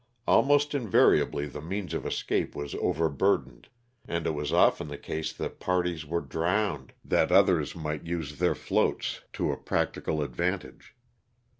Almost invariably the means of escape was over burdened, and it was often the case that parties were drowned that others might use their floats to a practi LOSS OF THE SULTANA. 231 cal advantage.